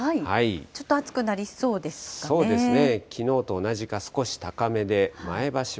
ちょっと暑くなりそうですかね。